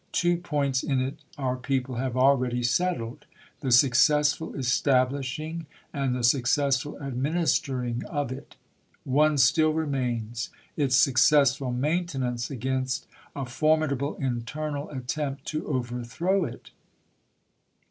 Two points in it our people have already CONGRESS 375 settled — the successful establishing and the successful ciup.xxi. administering of it. One still remains — its successful maintenance against a formidable internal attempt to overthrow it.